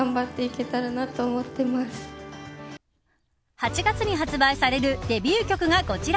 ８月に発売されるデビュー曲がこちら。